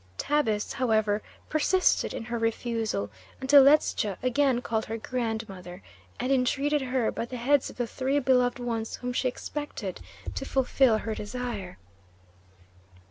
Tabus, however, persisted in her refusal, until Ledscha again called her "grandmother," and entreated her, by the heads of the three beloved ones whom she expected, to fulfil her desire.